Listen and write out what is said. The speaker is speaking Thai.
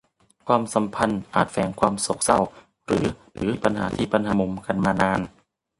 ความสัมพันธ์อาจแฝงความโศกเศร้าหรือมีปัญหาที่หมักหมมกันมานาน